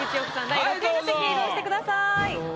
第６位の席へ移動してください。